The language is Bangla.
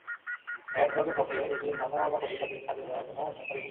ম্যাড ডগের পক্ষে এই তিন মাথাওয়ালা খবিশটাকে ছাড়িয়ে যাওয়া কোনও ব্যাপারই না!